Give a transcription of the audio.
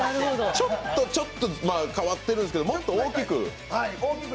ちょっと変わってるんですけどもっと大きく？